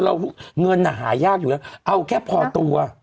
เหลือเงินอ่ะหายากอยู่เอาแค่พอตัว